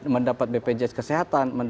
mendapat bpjs kesehatan